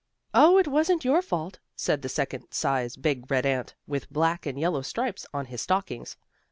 "Oh, it wasn't your fault," said the second size big red ant, with black and yellow stripes on his stockings.